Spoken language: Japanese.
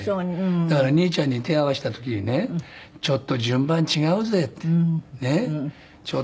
だから兄ちゃんに手を合わせた時にね「ちょっと順番違うぜ」ってねっ。